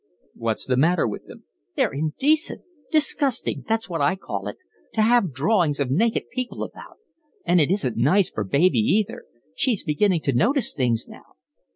"What's the matter with them?" "They're indecent. Disgusting, that's what I call it, to have drawings of naked people about. And it isn't nice for baby either. She's beginning to notice things now."